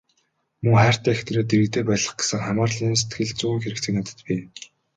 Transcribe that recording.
Мөн хайртай эхнэрээ дэргэдээ байлгах гэсэн хамаарлын сэтгэлзүйн хэрэгцээ надад бий.